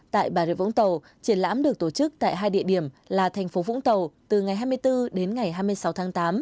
tại bà rịa vũng tàu triển lãm được tổ chức tại hai địa điểm là thành phố vũng tàu từ ngày hai mươi bốn đến ngày hai mươi sáu tháng tám